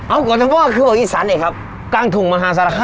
เอ้ากอทม่อคืออีสานเนี่ยครับกางถุงมหาสารค่ะ